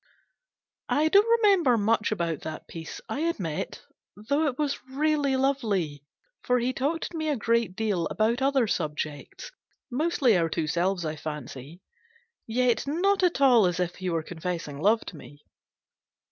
I don't remember much about that piece, I admit, though it was really lovely, for he talked to me a great deal about other subjects mostly our two selves, I fancy yet not at all as if he were making love to me.